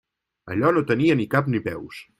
Allò no tenia ni cap ni peus.